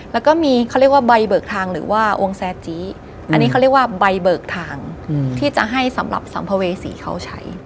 แล้วก็มีเขาเรียกว่าใบเบิกทางหรือว่าองค์แซจีอันนี้เขาเรียกว่าใบเบิกทางที่จะให้สำหรับสัมภเวษีเขาใช้